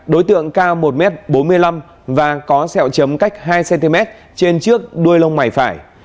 đối tượng cao một m bốn mươi năm và có sẹo chấm cách hai cm trên trước đuôi lông mày phải